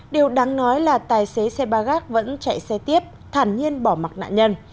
điều đáng nói là tài xế xe ba gác vẫn chạy xe tiếp thản nhiên bỏ mặt nạn nhân